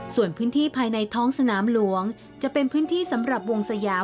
ส่วนพื้นที่ภายในท้องสนามหลวงจะเป็นพื้นที่สำหรับวงสยาม